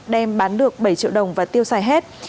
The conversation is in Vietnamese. đem bán được bảy triệu đồng và tiêu xài hết